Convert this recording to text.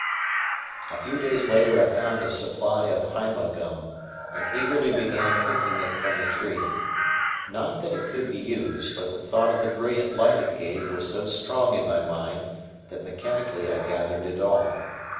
A few days later I found a supply of Haima gum, and eagerly began picking it from the tree; not that it could be used, but the thought of the brilliant light it gave was so strong in my mind that mechanically I gathered it all.